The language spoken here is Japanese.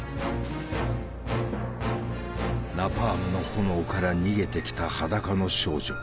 ナパームの炎から逃げてきた裸の少女。